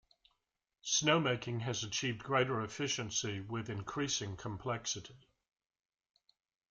Snowmaking has achieved greater efficiency with increasing complexity.